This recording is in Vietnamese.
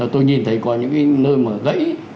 tôi nhìn thấy có những cái nơi mà gãy